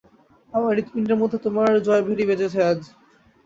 আমার হৃৎপিণ্ডের মধ্যে তোমার জয়ভেরী বেজেছে আজ।